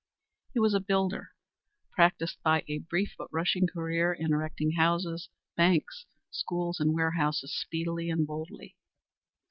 He was a builder, practised by a brief but rushing career in erecting houses, banks, schools, and warehouses speedily and boldly.